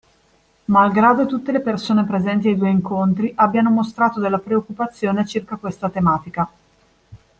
Mal grado tutte le persone presenti ai due incontri abbiano mostrato della preoccupazione circa questa tematica